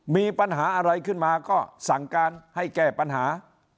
มีปัญหาอะไรขึ้นมาก็สั่งการให้แก้ปัญหา